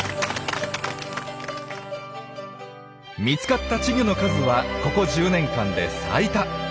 見つかった稚魚の数はここ１０年間で最多。